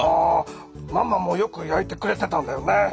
ママもよく焼いてくれてたんだよね。